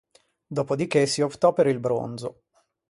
Dopodiché si optò per il bronzo.